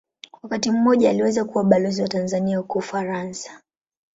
Wakati mmoja aliweza kuwa Balozi wa Tanzania huko Ufaransa.